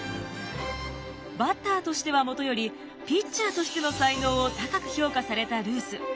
バッターとしてはもとよりピッチャーとしての才能を高く評価されたルース。